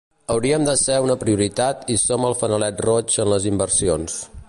“Hauríem de ser una prioritat i som el fanalet roig en les inversions”.